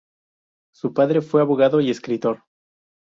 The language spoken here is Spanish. Su padre fue abogado y escritor.